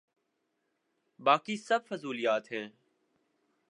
باقی سب فضولیات ہیں۔